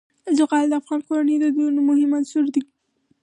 زغال د افغان کورنیو د دودونو مهم عنصر دی.